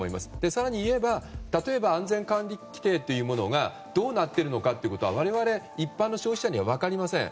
更に言えば例えば安全管理規程というものがどうなっているのかは我々、一般の消費者には分かりません。